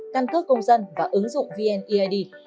căn cước công dân và ứng dụng vneid